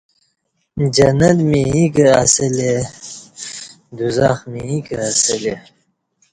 جنت می ییں کہ اسہ لے دوزخ می ییں کہ اسہ لے